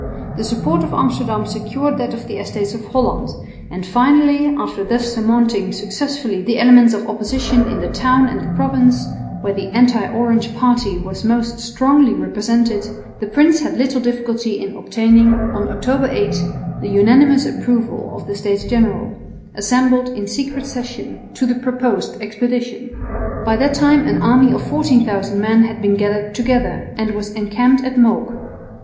The support of Amsterdam secured that of the Estates of Holland; and finally, after thus surmounting successfully the elements of opposition in the town and the province, where the anti Orange party was most strongly represented, the prince had little difficulty in obtaining, on October 8, the unanimous approval of the States General, assembled in secret session, to the proposed expedition. By that time an army of 14,000 men had been gathered together and was encamped at Mook.